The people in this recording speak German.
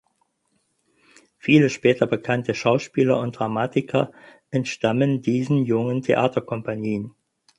Viele später bekannte Schauspieler und Dramatiker entstammen diesen jungen Theaterkompanien.